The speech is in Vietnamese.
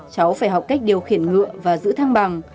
cháu phải học cách điều khiển ngựa và giữ thăng bằng